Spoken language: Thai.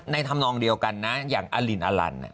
ในทำนองเดียวกันนะอย่างอลินอลัลัน